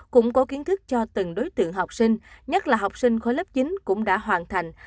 cũng có kiến thức cho từng đối tượng học sinh nhất là học sinh khối lớp chín cũng đã hoàn thành